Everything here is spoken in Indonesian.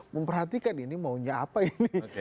memperhatikan ini maunya apa ini